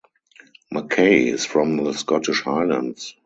Mackay is from the Scottish highlands.